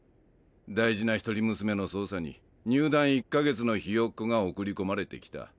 大事な一人娘の捜査に入団１か月のひよっこが送り込まれてきた。